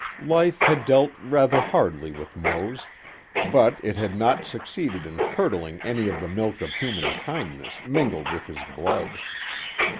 Life had dealt rather hardly with Mose, but it had not succeeded in curdling any of the milk of human kindness mingled with his blood.